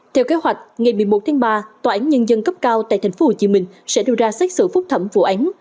theo kế hoạch ngày một mươi một tháng ba tòa án nhân dân cấp cao tại tp hcm sẽ đưa ra xét xử phúc thẩm vụ án